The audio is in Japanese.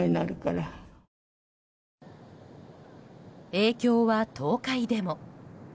影響は東海でも。